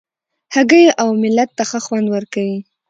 هګۍ اوملت ته ښه خوند ورکوي.